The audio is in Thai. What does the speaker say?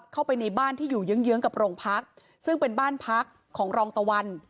เข้าไปในบ้านที่อยู่เยื้องเยื้องกับโรงพักซึ่งเป็นบ้านพักของรองตะวัน